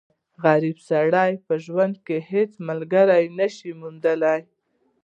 غریب سړی په ژوند کښي هيڅ ملګری نه سي موندلای.